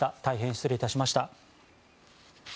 大変失礼致しました。